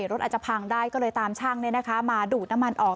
รถอาจจะพังได้ก็เลยตามช่างมาดูดน้ำมันออก